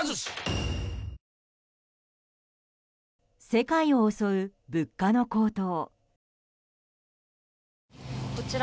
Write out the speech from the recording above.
世界を襲う物価の高騰。